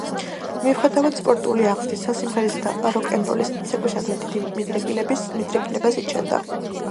მიუხედავად სპორტული აღზრდისა, სიმღერისა და როკ-ენ-როლის ცეკვისადმი დიდ მიდრეკილებას იჩენდა.